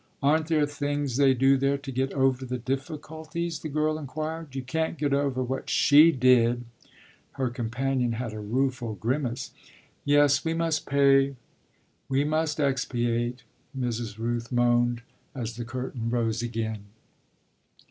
"Aren't there things they do there to get over the difficulties?" the girl inquired. "You can't get over what she did!" her companion had a rueful grimace. "Yes, we must pay, we must expiate!" Mrs. Rooth moaned as the curtain rose again.